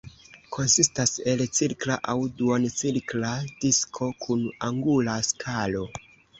Konsistas el cirkla aŭ duoncirkla disko kun angula skalo.